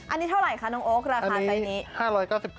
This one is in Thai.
อันนี้เท่าไหร่คะน้องโอ๊คราคาไซส์นี้